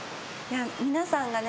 皆さんがね